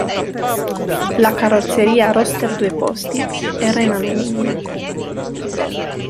La carrozzeria, roadster due posti, era in alluminio.